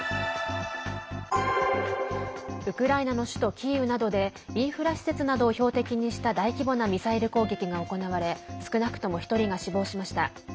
ウクライナの首都キーウなどでインフラ施設などを標的にした大規模なミサイル攻撃が行われ少なくとも１人が死亡しました。